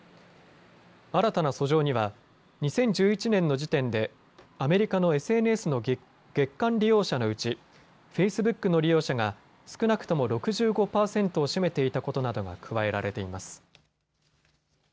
新たな訴状には２０１１年の時点でアメリカのＳＮＳの月間利用者のうちフェイスブックの利用者が少なくとも６５％を占めていたことなどが加えられています。